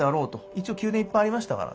一応宮殿いっぱいありましたらからね。